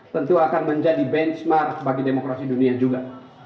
tentu akan menjadi benchmark bagi demokrasi dunia juga